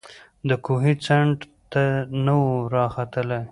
د کوهي څنډي ته نه وو راختلی